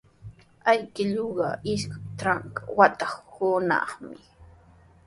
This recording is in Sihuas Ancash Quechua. Awkilluuqa isqun trunka watayuqnami.